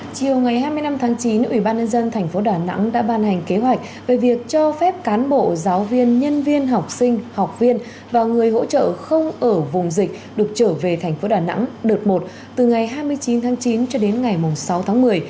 chiều ngày hai mươi năm tháng chín ủy ban nhân dân tp đà nẵng đã ban hành kế hoạch về việc cho phép cán bộ giáo viên nhân viên học sinh học viên và người hỗ trợ không ở vùng dịch được trở về thành phố đà nẵng đợt một từ ngày hai mươi chín tháng chín cho đến ngày sáu tháng một mươi